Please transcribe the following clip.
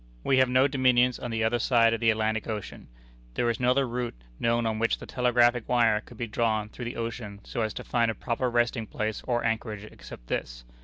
We have no dominions on the other side of the Atlantic Ocean. There is no other route known on which the telegraphic wire could be drawn through the ocean so as to find a proper resting place or anchorage except this.